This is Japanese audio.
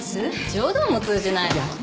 冗談も通じないじゃん。